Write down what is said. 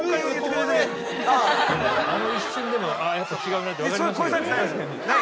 ◆あの一瞬でもああ、やっぱ違うなって分かりましたよ。